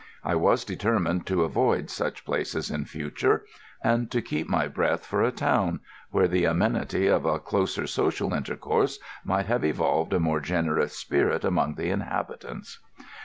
I was determined to avoid such places in future, and to keep my breath for a town, where the amenity of a closer social intercourse might have evolved a more generous spirit among the inhabitants.